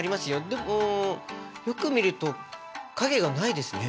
でもよく見ると影がないですね。